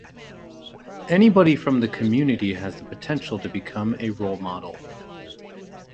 Anybody from the community has the potential to become a role model.